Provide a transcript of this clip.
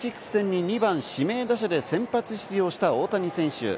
アスレチック戦に２番・指名打者で先発出場した大谷選手。